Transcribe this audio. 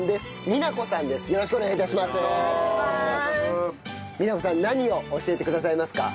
美奈子さん何を教えてくださいますか？